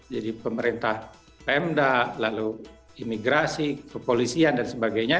jadi pemerintah pemda lalu imigrasi kepolisian dan sebagainya